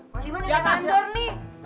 manda dimana nih mandor nih